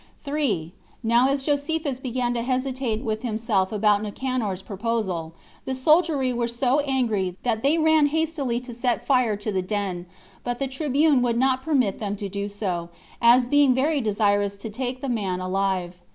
3. Now as Josephus began to hesitate with himself about Nicanor's proposal, the soldiery were so angry, that they ran hastily to set fire to the den; but the tribune would not permit them so to do, as being very desirous to take the man alive.